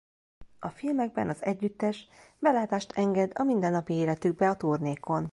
A filmekben az együttes belátást enged a mindennapi életükbe a turnékon.